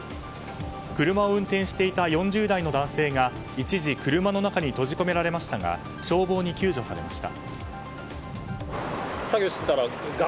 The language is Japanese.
車を運転していた４０代の男性が一時、車の中に閉じ込められましたが消防に救助されました。